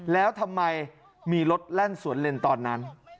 แล้วทำไมมีรถแล่นสวนเล่นตอนนั้น